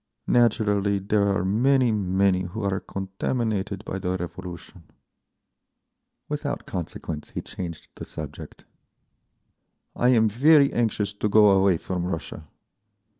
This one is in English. Naturally there are many, many who are contaminated by the Revolution…." Without consequence he changed the subject. "I am very anxious to go away from Russia.